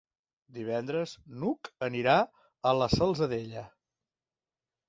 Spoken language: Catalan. Divendres n'Hug anirà a la Salzadella.